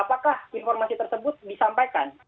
apakah informasi tersebut disampaikan